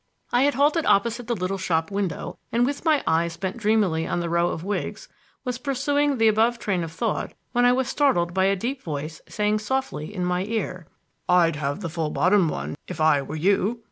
I had halted opposite the little shop window, and, with my eyes bent dreamily on the row of wigs, was pursuing the above train of thought when I was startled by a deep voice saying softly in my ear: "I'd have the full bottomed one if I were you."